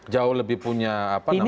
jauh lebih punya apa namanya